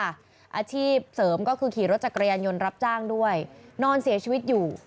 อาชีพเสริมก็คือขี่รถจักรยานยนต์รับจ้างด้วยนอนเสียชีวิตอยู่